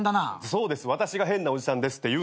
「そうです私が変なおじさんです」って言う。